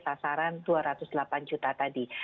sasaran dua ratus delapan juta tadi